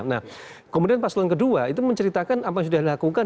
nah kemudian paslon kedua itu menceritakan apa yang sudah dilakukan